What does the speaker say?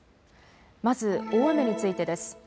まず大雨についてです。